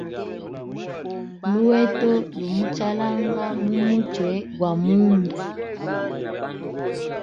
Luheto lu muchalanga mu muchwe gwa mundu.